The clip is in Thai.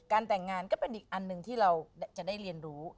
แต่งงานก็เป็นอีกอันหนึ่งที่เราจะได้เรียนรู้